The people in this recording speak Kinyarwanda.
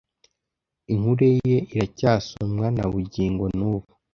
inkuru ye iracyasomwa na bugingo nubu